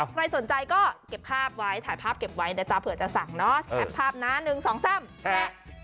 ใครสนใจก็เก็บภาพไว้ถ่ายภาพเก็บไว้นะจ๊ะเผื่อจะสั่งเนาะแคปภาพนะ๑๒๓แชร์